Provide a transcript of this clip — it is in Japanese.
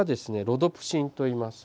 ロドプシンといいます。